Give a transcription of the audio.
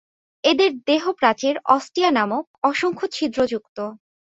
এদের দেহপ্রাচীর অস্টিয়া নামক অসংখ্য ছিদ্রযুক্ত।